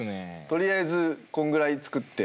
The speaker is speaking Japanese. とりあえずこんぐらい作って。